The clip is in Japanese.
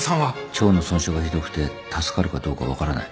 腸の損傷がひどくて助かるかどうか分からない